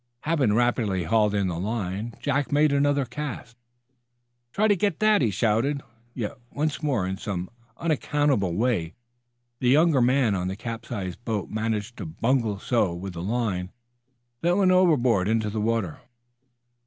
Having rapidly hauled in the line, Jack made another cast. "Try to get that," he shouted. Yet once more, in some unaccountable way, the younger man on the capsized boat managed to bungle so with the line that it went overboard into the water.